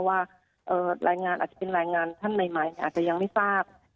ว่ารายงานอาจจะเป็นรายงานท่านใหม่อาจจะยังไม่ทราบ